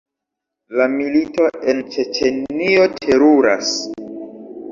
La milito en Ĉeĉenio teruras.